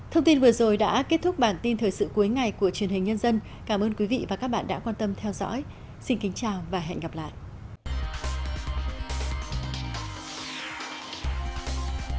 thông tin vừa rồi đã kết thúc bản tin thời sự cuối ngày của truyền hình nhân dân cảm ơn quý vị và các bạn đã quan tâm theo dõi xin kính chào và hẹn gặp lại